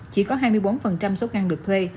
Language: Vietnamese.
chỉ có hai mươi bốn số căn được thuê